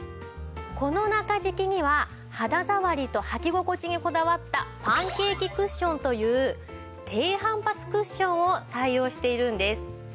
この中敷きには肌触りと履き心地にこだわったパンケーキクッションという低反発クッションを採用しているんです。